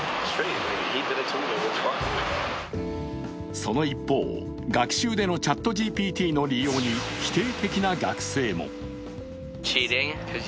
その一方、学習でのＣｈａｔＧＰＴの利用に否定的な学生も。